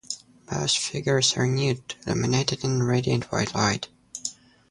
Both figures are nude, illuminated in a radiant white light.